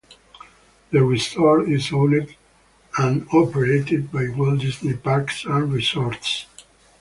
The resort is owned and operated by Walt Disney Parks and Resorts.